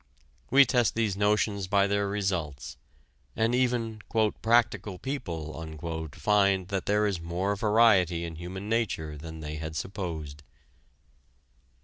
We test these notions by their results, and even "practical people" find that there is more variety in human nature than they had supposed.